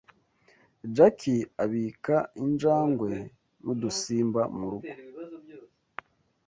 Jack abika injangwe nudusimba murugo.